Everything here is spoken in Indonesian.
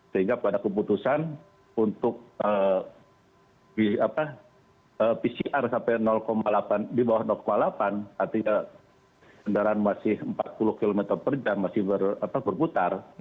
sehingga pada keputusan untuk pcr sampai di bawah delapan artinya kendaraan masih empat puluh km per jam masih berputar